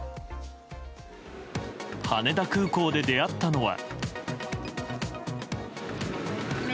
羽田空港で出会ったのは。